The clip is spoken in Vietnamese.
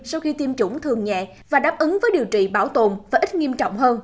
sau khi tiêm chủng thường nhẹ và đáp ứng với điều trị bảo tồn và ít nghiêm trọng hơn